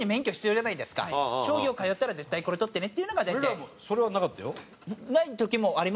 俺らそれはなかったよ。